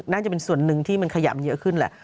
น่าจะเป็นส่วนหนึ่งที่มันขยำเยอะขึ้นแหละ